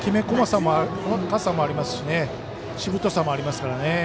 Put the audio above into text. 細やかさもありますしねしぶとさもありますからね。